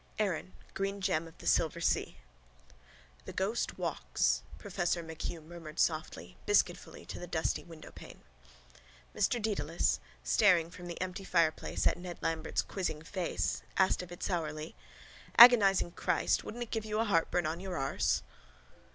ERIN, GREEN GEM OF THE SILVER SEA —The ghost walks, professor MacHugh murmured softly, biscuitfully to the dusty windowpane. Mr Dedalus, staring from the empty fireplace at Ned Lambert's quizzing face, asked of it sourly: —Agonising Christ, wouldn't it give you a heartburn on your arse?